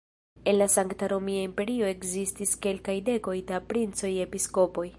En la Sankta Romia Imperio ekzistis kelkaj dekoj da princoj-episkopoj.